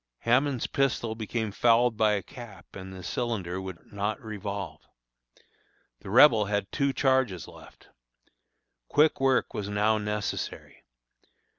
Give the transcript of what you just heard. Hammond's pistol became fouled by a cap, and the cylinder would not revolve. The Rebel had two charges left. Quick work was now necessary.